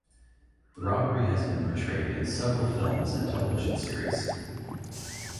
The robbery has been portrayed in several films and television series.